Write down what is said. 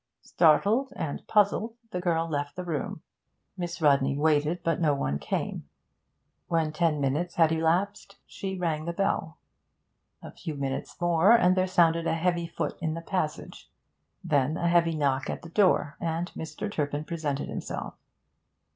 Startled and puzzled, the girl left the room. Miss Rodney waited, but no one came. When ten minutes had elapsed she rang the bell. A few minutes more and there sounded a heavy foot in the passage; then a heavy knock at the door, and Mr. Turpin presented himself.